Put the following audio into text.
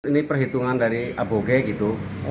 ini perhitungan dari aboge gitu